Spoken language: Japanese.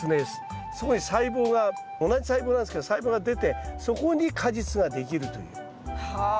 そこに細胞が同じ細胞なんですけど細胞が出てそこに果実ができるという。はあ。